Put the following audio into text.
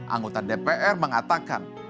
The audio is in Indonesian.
anggota dpr mengatakan